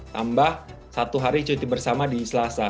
tambah satu hari cuti bersama di selasa